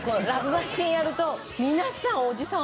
マシーン』やると皆さんおじさん